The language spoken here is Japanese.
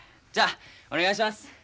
じゃあお願いします。